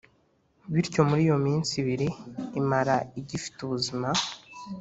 bityo muri iyo minsi ibiri imara igifite ubuzima,